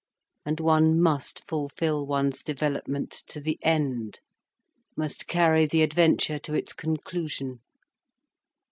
And one must fulfil one's development to the end, must carry the adventure to its conclusion.